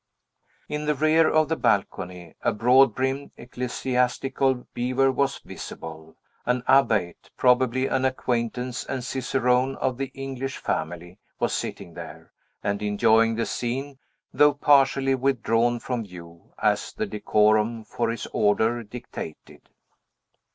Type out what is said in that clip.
In the rear of the balcony, a broad brimmed, ecclesiastical beaver was visible. An abbate, probably an acquaintance and cicerone of the English family, was sitting there, and enjoying the scene, though partially withdrawn from view, as the decorum for his order dictated.